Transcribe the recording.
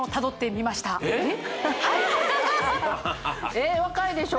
えっ若いでしょ？